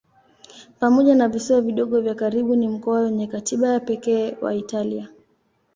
Pamoja na visiwa vidogo vya karibu ni mkoa wenye katiba ya pekee wa Italia.